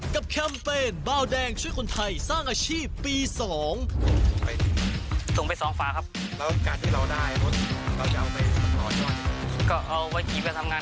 แคมเปญเบาแดงช่วยคนไทยสร้างอาชีพปี๒ฝา